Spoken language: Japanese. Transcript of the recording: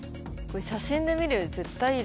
写真で見るより絶対いい。